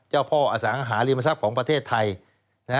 เจ้าพ่ออสังหาริมทรัพย์ของประเทศไทย